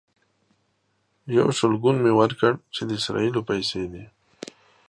یو شلګون مې ورکړ چې د اسرائیلو پیسې دي.